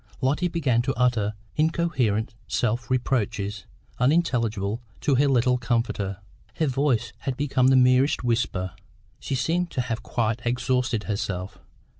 Lotty began to utter incoherent self reproaches, unintelligible to her little comforter; her voice had become the merest whisper; she seemed to have quite exhausted herself.